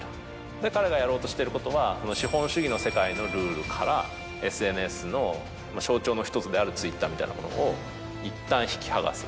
で彼がやろうとしてることは資本主義の世界のルールからＳＮＳの象徴の１つであるＴｗｉｔｔｅｒみたいなものをいったん引き剥がす。